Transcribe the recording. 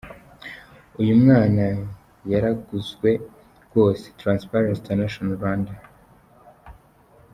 Uyu mwana yaraguzwe rwose - Transparency International Rwanda.